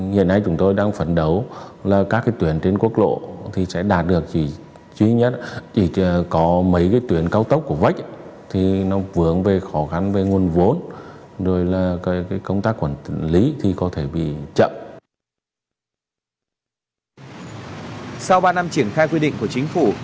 sau ba năm triển khai quy định của chính phủ